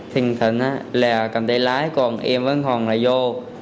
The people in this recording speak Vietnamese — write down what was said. thanh thần là cầm tay lái còn em vẫn còn là vô